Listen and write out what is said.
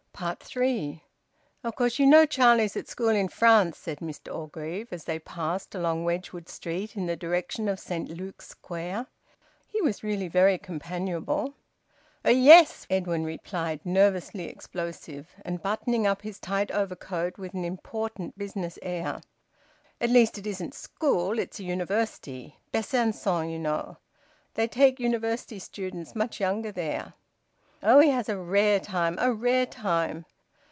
THREE. "Of course you know Charlie's at school in France," said Mr Orgreave, as they passed along Wedgwood Street in the direction of Saint Luke's Square. He was really very companionable. "Er yes!" Edwin replied, nervously explosive, and buttoning up his tight overcoat with an important business air. "At least it isn't a school it's a university. Besancon, you know. They take university students much younger there. Oh! He has a rare time a rare time.